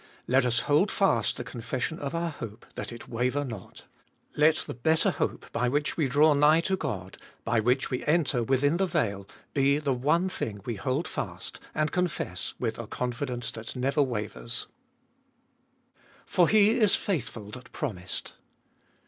Let us hold fast the confession of our hope, that it waver not. Let the better hope by which we draw nigh to God, by which we enter within the veil, be the one thing we hold fast and confess with a confidence that never wavers. Tboliest ot Bll 391 For He is faithful that promised.